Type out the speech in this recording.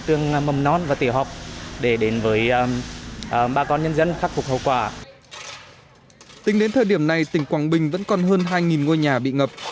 tính đến thời điểm này tỉnh quảng bình vẫn còn hơn hai ngôi nhà bị ngập